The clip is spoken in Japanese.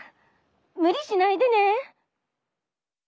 無理しないでね。